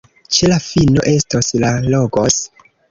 Ĉe la fino estos la Logos!